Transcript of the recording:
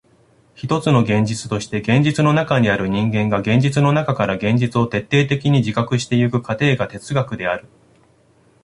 ひとつの現実として現実の中にある人間が現実の中から現実を徹底的に自覚してゆく過程が哲学である。